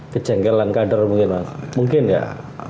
kejengkelan kader mungkin mas